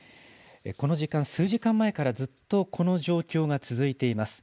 この時間、数時間前からずっとこの状況が続いています。